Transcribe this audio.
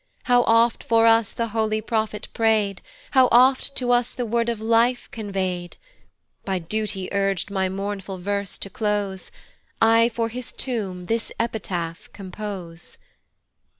How oft for us the holy prophet pray'd! How oft to us the Word of Life convey'd! By duty urg'd my mournful verse to close, I for his tomb this epitaph compose.